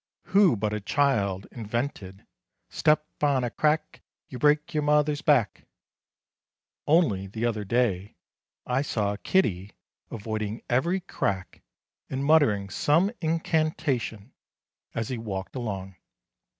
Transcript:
Who but a child invented: "Step on a crack, you break your mother's back." Only the other day I saw a kiddie avoiding every crack and muttering some incantation as he walked along.